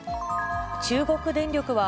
中国電力は、